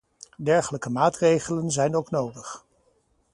Dergelijke maatregelen zijn ook nodig.